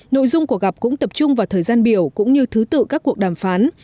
nội dung cuộc gặp cũng tập trung vào thời gian biểu cũng như thứ tự các cuộc đàm phán